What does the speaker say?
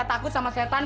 kok kok pada lari sih